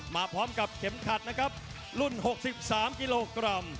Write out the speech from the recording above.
มาพร้อมกับเข็มขัดนะครับรุ่น๖๓กิโลกรัม